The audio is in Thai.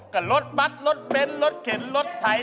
ก็รถบัตรรถเบนท์รถเข็นรถไถ